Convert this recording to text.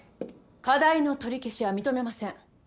課題の取り消しは認めません。